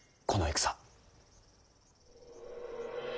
この戦。